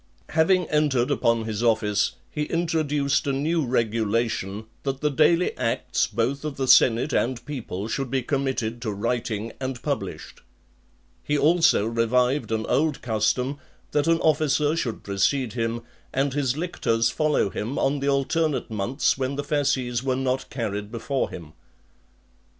Having entered upon his office , he introduced a new regulation, that the daily acts both of the senate and people should be committed to writing, and published . He also revived an old custom, that an officer should precede him, and his lictors follow him, on the alternate months when the fasces were not carried before him.